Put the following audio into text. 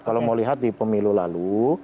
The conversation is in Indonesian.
kalau mau lihat di pemilu lalu